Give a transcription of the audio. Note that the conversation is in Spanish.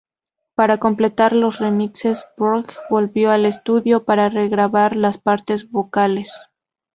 Para complementar los remixes, Björk volvió al estudio para regrabar las partes vocales.